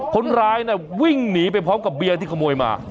คนร้ายวิ่งหนีไปพร้อมกับเบียร์ที่ขโมยมา